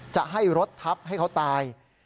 จะให้รถทับให้เขาตาย